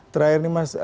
terakhir nih mas